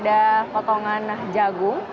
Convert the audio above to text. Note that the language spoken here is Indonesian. ada potongan jagung